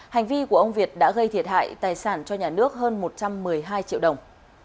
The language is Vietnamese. hành vi của ông việt đã gây thiệt hại tài sản cho nhà nước hơn một trăm một mươi hai triệu đồng